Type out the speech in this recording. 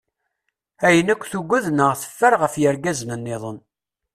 Ayen akk tugad neɣ teffer ɣef yirgazen-nniḍen.